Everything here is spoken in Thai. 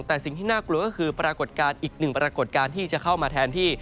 แต่สิ่งที่น่ากลัวก็คือปรากฏการณ์อีกหนึ่งปรากฏการณ์ที่จะเข้ามาแทนที่